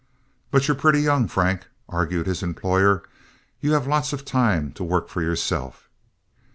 "But you're pretty young, Frank," argued his employer. "You have lots of time to work for yourself."